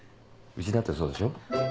うちだってそうでしょ。